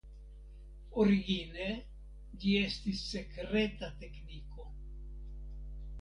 Origine ĝi estis sekreta tekniko.